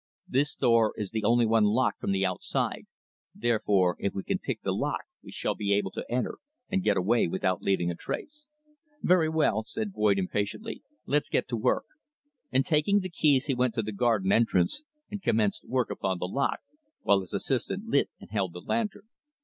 "This door is the only one locked from the outside, therefore if we can pick the lock we shall be able to enter and get away without leaving a trace." "Very well," Boyd said impatiently. "Let's get to work," and taking the keys he went to the garden entrance and commenced work upon the lock, while his assistant lit and held the lantern.